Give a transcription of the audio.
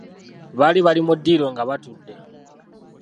Baali bali mu ddiiro nga batudde.